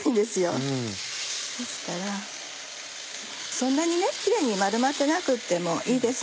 そんなにキレイに丸まってなくてもいいです。